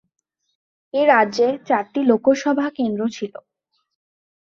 এই রাজ্যে চারটি লোকসভা কেন্দ্র ছিল।